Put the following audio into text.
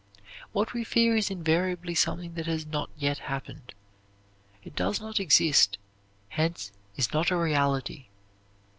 What we fear is invariably something that has not yet happened. It does not exist; hence is not a reality.